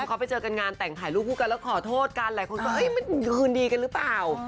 เขาไปเจอกันงานแต่งถ่ายรูปคู่กันแล้วขอโทษกันหลายคนก็เฮ้ยมันคืนดีกันหรือเปล่า